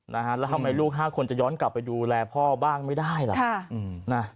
แล้วทำไมลูก๕คนจะย้อนกลับไปดูแลพ่อบ้างไม่ได้ล่ะ